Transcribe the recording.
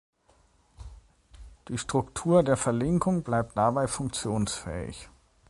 Die Struktur der Verlinkung bleibt dabei funktionsfähig.